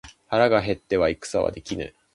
腹が減っては戦はできぬ